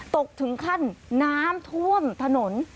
ตกถึงขั้นน้ำท่วมถนน